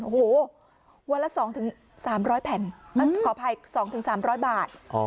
โอ้โหวันละ๒๓๐๐แผ่นขออภัย๒๓๐๐บาท